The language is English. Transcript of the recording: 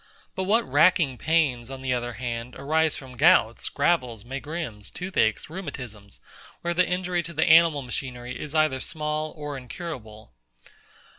But what racking pains, on the other hand, arise from gouts, gravels, megrims, toothaches, rheumatisms, where the injury to the animal machinery is either small or incurable?